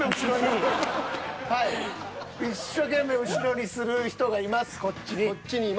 一生懸命後ろにする人がいますこっちに。